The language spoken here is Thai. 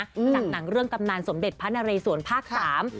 จากหนังเรื่องกำนานสมเด็จพระนเรสวนภาคสาม